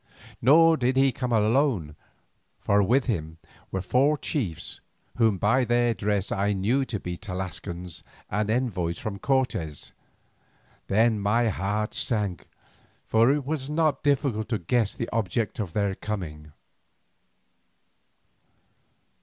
Nor did he come alone, for with him were four chiefs, whom by their dress I knew to be Tlascalans and envoys from Cortes. Then my heart sank, for it was not difficult to guess the object of their coming.